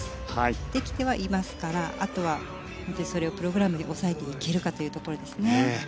できてはいますからあとは本当にそれをプログラムで押さえていけるかというところですね。